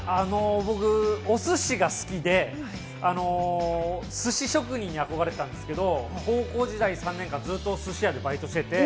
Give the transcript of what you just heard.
僕、お寿司が好きで、寿司職人に憧れてたんですけど、高校時代３年間、ずっと寿司屋でバイトしてて。